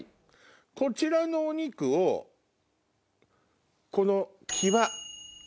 こちらのお肉をこの際。